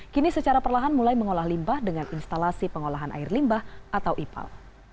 kini secara perlahan mulai mengolah limbah dengan instalasi pengolahan air limbah atau ipal